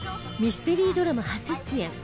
ミステリードラマ初出演。